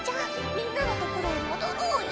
みんなのところへ戻ろうよ。